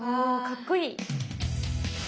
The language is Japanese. かっこいい！